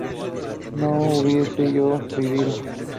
¿no hubiese yo vivido?